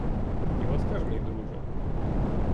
І вас теж, мій друже!